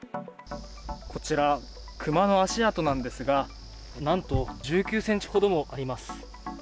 こちら、クマの足跡なんですが、なんと１９センチほどもあります。